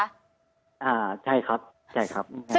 อ่าใช่ครับใช่ครับ